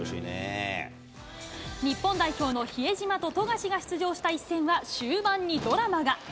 日本代表の比江島と富樫が出場した一戦は、終盤にドラマが。